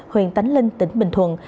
huyện tánh linh tỉnh bình thuận